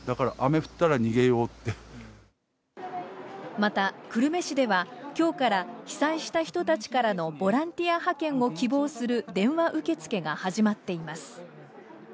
また久留米市ではきょうから被災した人たちからのボランティア派遣を希望する電話受付が始まっています。